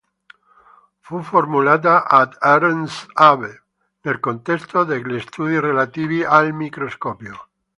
Fu formulata da Ernst Abbe nel contesto degli studi relativi al microscopio.